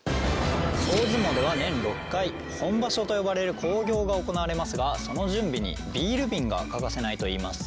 大相撲では年６回本場所と呼ばれる興行が行われますがその準備にビール瓶が欠かせないといいます。